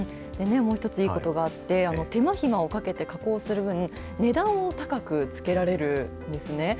もう一ついいことがあって手間暇をかけて加工する分、値段を高くつけられるんですね。